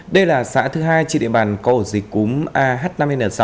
đây là xã thứ hai trên địa bàn cổ dịch cúm ah năm n sáu